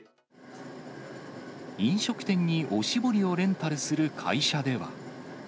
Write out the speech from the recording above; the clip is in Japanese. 飲食店におしぼりをレンタルする会社では。